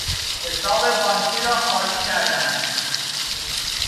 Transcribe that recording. حساب بانکی را خالی کردن